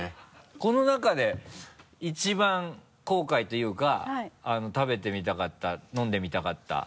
この中で一番後悔というか食べてみたかった飲んでみたかった。